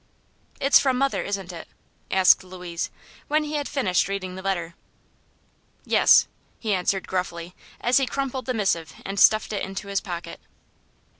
"It's from mother, isn't it?" asked Louise, when he had finished reading the letter. "Yes," he answered gruffly, as he crumpled the missive and stuffed it into his pocket.